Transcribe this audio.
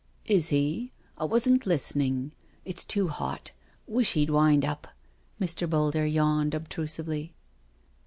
" Is he? I wasn't listening. It's too hot— wish he'd wind up." Mr. Boulder yawned obtrusively.